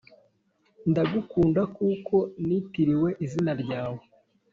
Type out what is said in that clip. Ndagukunda kuko nitiriwe izina ryawe